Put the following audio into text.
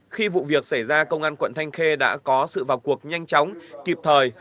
khi vụ việc xảy ra công an quận thanh khê đã có sự vào cuộc nhanh chóng kịp thời